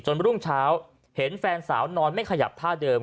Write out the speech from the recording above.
รุ่งเช้าเห็นแฟนสาวนอนไม่ขยับท่าเดิม